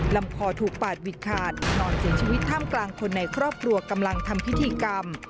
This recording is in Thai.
ลำคอถูกปาดวิดขาดนอนเสียชีวิตท่ามกลางคนในครอบครัวกำลังทำพิธีกรรม